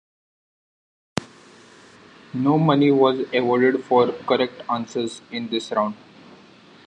No money was awarded for correct answers in this round.